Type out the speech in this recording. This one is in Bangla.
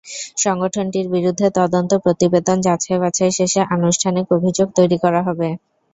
সংগঠনটির বিরুদ্ধে তদন্ত প্রতিবেদন যাচাইবাছাই শেষে আনুষ্ঠানিক অভিযোগ তৈরি করা হবে।